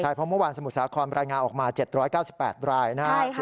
เพราะเมื่อวานสมุทรสาครรายงานออกมา๗๙๘รายนะครับ